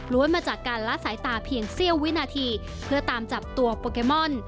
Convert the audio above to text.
มาจากการละสายตาเพียงเสี้ยววินาทีเพื่อตามจับตัวโปเกมอน